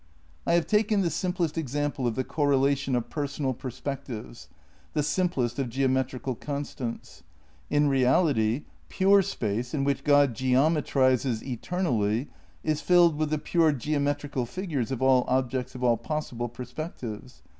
I have taken the simplest example of the correlation of personal perspectives, the simplest of geometrical constants. In reality pure Space in which "Grod geometrizes eternally" is filled with the pure geo metrical figures of aU objects of all possible perspec tives.